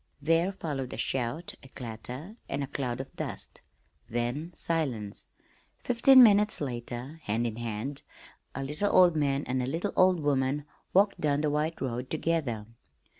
There followed a shout, a clatter, and a cloud of dust then silence. Fifteen minutes later, hand in hand, a little old man and a little old woman walked down the white road together.